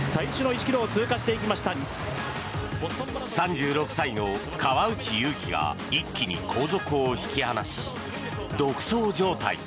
３６歳の川内優輝が一気に後続を引き離し独走状態。